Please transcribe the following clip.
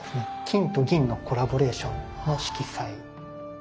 金と銀のコラボレーションの色彩。